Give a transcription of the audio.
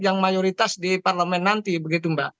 yang mayoritas di parlemen nanti begitu mbak